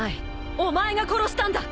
お前が殺したんだ！